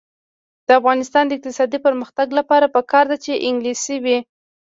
د افغانستان د اقتصادي پرمختګ لپاره پکار ده چې انګلیسي وي.